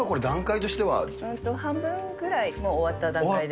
えっと、半分ぐらいもう終わった段階です。